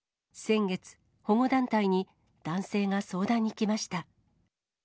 先月、保護団体に男性が相談に来ました。